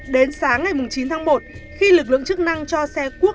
đến sáng ngày chín tháng một khi lực lượng chức năng cho xe quốc